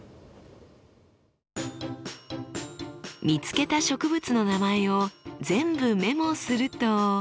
見つけた植物の名前を全部メモすると。